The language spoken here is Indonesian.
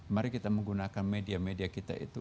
mari kita menggunakan media media kita itu